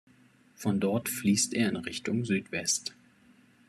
Von dort fließt er in Richtung Süd-West.